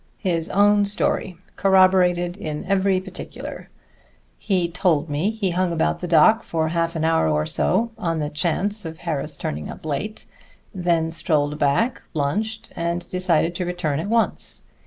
"His own story corroborated in every particular. He told me he hung about the dock for half an hour or so on the chance of Harris turning up late, then strolled back, lunched and decided to return at once.